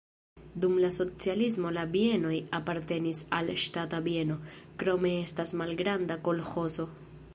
Dum la socialismo la bienoj apartenis al ŝtata bieno, krome estis malgranda kolĥozo.